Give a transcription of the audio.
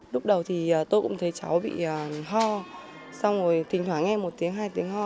lúc đầu thì tôi cũng thấy cháu bị ho xong rồi thỉnh thoảng nghe một tiếng hai tiếng ho